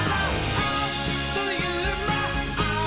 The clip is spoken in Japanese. あっというまっ！」